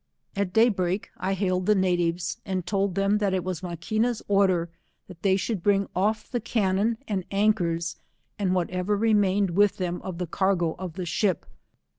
At day break I hailed the natives, end (old them that it was iVlaquina's order that they should bring off the cannoa, and anchors, and whatever remain ed with them of the cargo of tlie ship.